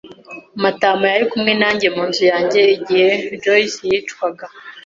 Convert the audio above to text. Matama yari kumwe nanjye mu nzu yanjye igihe Joyci yicwaga.